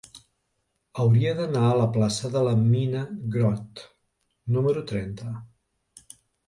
Hauria d'anar a la plaça de la Mina Grott número trenta.